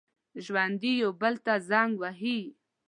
ژوندي یو بل ته زنګ وهي